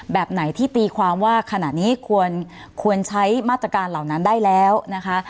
แบบไหนที่ตีความว่าขณะนี้ควรใช้มาตรการเหล่านั้นได้แล้วนะคะ